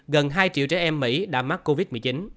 gần hai triệu trẻ em mỹ đã mắc covid một mươi chín